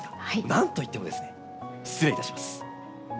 何といってもですね失礼いたします。